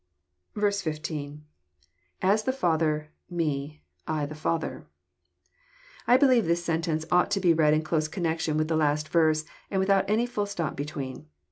15. — lAs the Father... me,.. I the Father.] I believe this sentence ought to be read in close connection with the last verse, and without any fliU stop between.